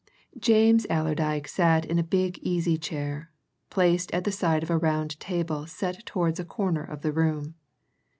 James Allerdyke sat in a big easy chair, placed at the side of a round table set towards a corner of the room.